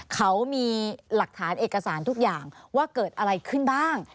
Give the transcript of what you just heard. เขามีหลักฐานเอกสารทุกอย่างว่าเกิดอะไรขึ้นบ้าง